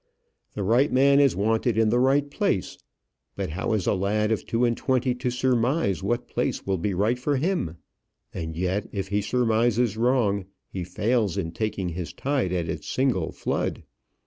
The right man is wanted in the right place; but how is a lad of two and twenty to surmise what place will be right for him? And yet, if he surmises wrong, he fails in taking his tide at its single flood.